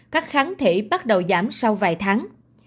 các kháng thể bắt đầu giảm sau vài tháng